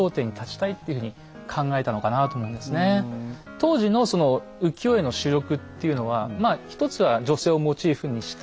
当時のその浮世絵の主力っていうのはまあ一つは女性をモチーフにした。